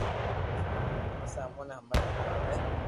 پسو اموني ني ھمج ۾ اوي